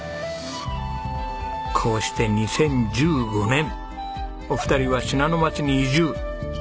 こうして２０１５年お二人は信濃町に移住。